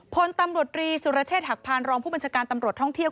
พลตำรวจรีสุรเชษฐหักพานรองผู้บัญชาการตำรวจท่องเที่ยว